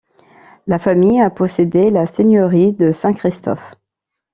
La famille a possédé la seigneurie de Saint-Christophe.